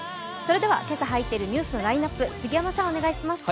今朝入っているニュースのラインナップ、杉山さん、お願いします。